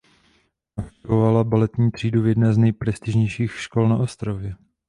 Navštěvovala baletní třídu v jedné z nejprestižnějších škol na ostrově.